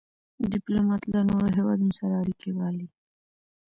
ډيپلومات له نورو هېوادونو سره اړیکي پالي.